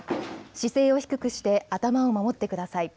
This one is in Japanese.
姿勢を低くして頭を守ってください。